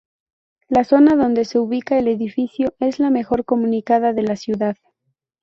La zona donde se ubica el edificio es la mejor comunicada de la ciudad.